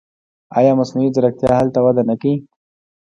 آیا مصنوعي ځیرکتیا هلته وده نه کوي؟